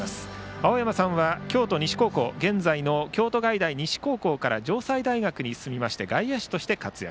青山さんは京都西高校現在の京都外大西高校から城西大に進みまして外野手として活躍。